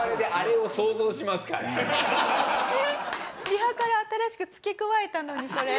リハから新しく付け加えたのにこれ。